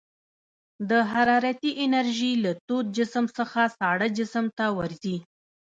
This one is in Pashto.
د حرارتي انرژي له تود جسم څخه ساړه جسم ته ورځي.